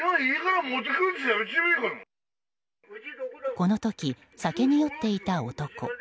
この時、酒に酔っていた男。